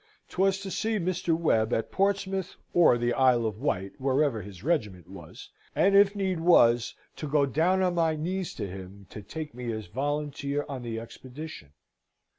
'Twas to see Mr. Webb at Portsmouth or the Isle of Wight, wherever his Regiment was, and if need was to go down on my knees to him to take me as volunteer on the Expedition.